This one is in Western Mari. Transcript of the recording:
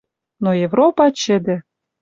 Но Европа чӹдӹ